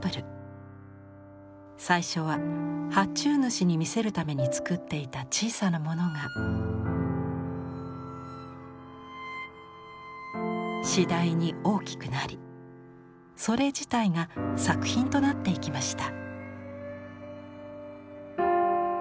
最初は発注主に見せるために作っていた小さなものが次第に大きくなりそれ自体が作品となっていきました。